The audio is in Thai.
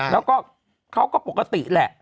แล้วก็เขาก็ปกติแหละ